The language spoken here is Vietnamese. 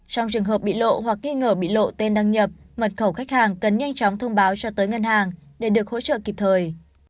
trong trường hợp bị lộ hoặc nghi ngờ bị lộ tên đăng nhập mật khẩu khách hàng cần nhanh chóng thông báo cho tới ngân hàng để được hỗ trợ kịp thời